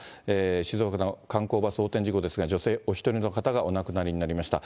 静岡の観光バス横転事故ですが、女性お１人の方がお亡くなりになりました。